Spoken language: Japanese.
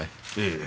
ええ。